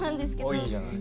おいいじゃない。